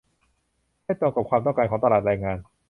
ให้ตรงกับความต้องการของตลาดแรงงาน